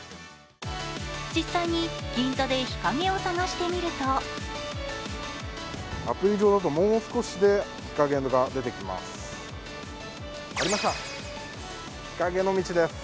実際に銀座で日陰を探してみるとアプリ上だともう少しで日陰が出てきます。